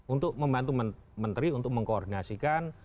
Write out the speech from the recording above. untuk membantu menteri untuk mengkoordinasikan